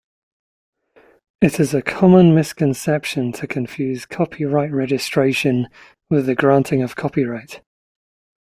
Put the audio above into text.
It is a common misconception to confuse copyright registration with the granting of copyright.